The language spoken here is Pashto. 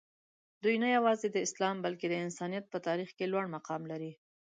دوي نه یوازې د اسلام بلکې د انسانیت په تاریخ کې لوړ مقام لري.